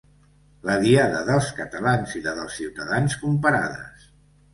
La diada dels catalans i la dels ciutadans comparades.